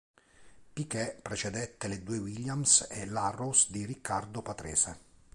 Piquet precedette le due Williams e l'Arrows di Riccardo Patrese.